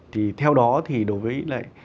thì theo đó thì đối với lại